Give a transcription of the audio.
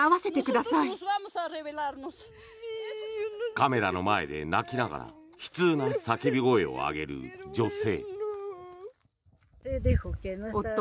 カメラの前で泣きながら悲痛な叫び声を上げる女性。